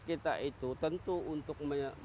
kita itu tentu untuk